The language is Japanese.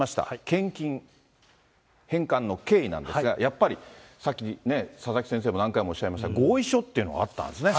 献金返還の経緯なんですが、やっぱりさっき佐々木先生も何回もおっしゃいました、合意書というのがあったんですね。